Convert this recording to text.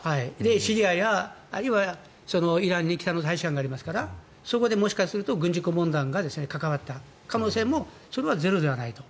シリアやあるいはイランに北の大使館がありますからそこでもしかすると軍事顧問団が関わった可能性もそれはゼロではないと。